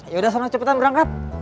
yaudah soalnya cepetan berangkat